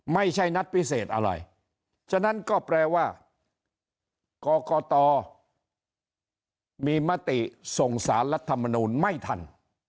ไม่ใช่นัดพิเศษอะไรฉะนั้นก็แปลว่ากรกตมีมติส่งสารรัฐมนูลไม่ทัน